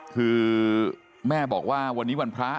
คือแม่บอกว่าวันนี้วันพระ